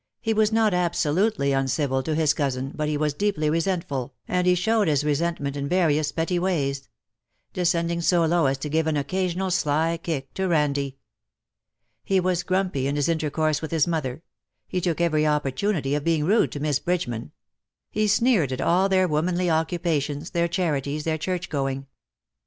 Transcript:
He was not absolutely uncivil to his cousin, but he was deeply resentful, and he showed his resentment in various petty ways — descending so low as to give an occasional sly kick to Randie. He was grumpy in his intercourse with his mother ; he took every opportunity of being rude to Miss Bridgeman ; he sneered at all their womanly occupations, their charities, their church going.